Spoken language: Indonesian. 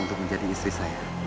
untuk menjadi istri saya